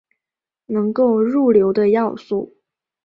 能够入流的要素。